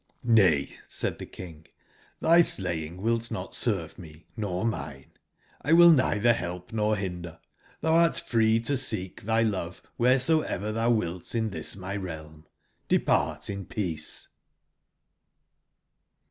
"j^"]h^ay," said the 94 King, tby slaying wilt not serve me nor mine: I will neither help nor binder. TTbou art free to seek tby love wheresoever tbou wilt in tbis my realm. Depart in peace!"